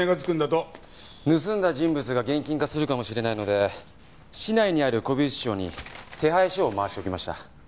盗んだ人物が現金化するかもしれないので市内にある古美術商に手配書を回しておきました。